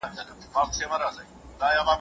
درلېږل چي مي نظمونه هغه نه یم